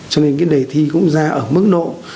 cho nên cái đề thi cũng ra ở mức độ